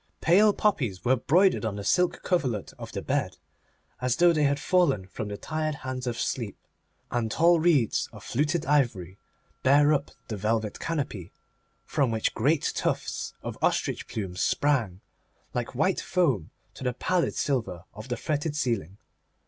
Pale poppies were broidered on the silk coverlet of the bed, as though they had fallen from the tired hands of sleep, and tall reeds of fluted ivory bare up the velvet canopy, from which great tufts of ostrich plumes sprang, like white foam, to the pallid silver of the fretted ceiling.